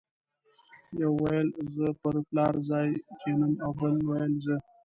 یو ویل زه پر پلار ځای کېنم او بل ویل زه.